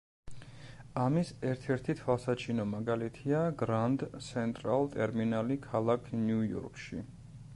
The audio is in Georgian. ამის ერთ-ერთი თვალსაჩინო მაგალითია გრანდ სენტრალ ტერმინალი ქალაქ ნიუ-იორკში.